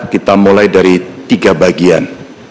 kita mulai dari tiga bagian